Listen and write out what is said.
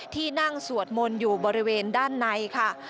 ที่นั่งสวดมนต์อยู่บริเวณด้านในค่ะ